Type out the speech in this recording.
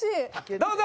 どうぞ！